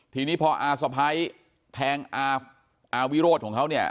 ทีนี้พออาสะพ้ายแทงอาวิโรธของเขาเนี่ย